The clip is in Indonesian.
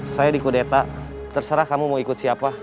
saya di kudeta terserah kamu mau ikut siapa